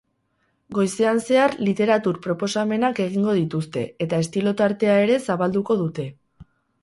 Goizean zehar literatur proposamenak egingo dituzte eta estilo tartea ere zabalduko dute.